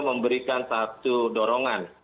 memberikan satu dorongan